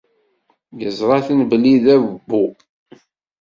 Iẓra-ten belli d abbu.